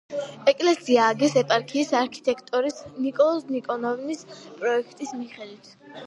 ეკლესია ააგეს ეპარქიის არქიტექტორის ნიკოლოზ ნიკონოვის პროექტის მიხედვით.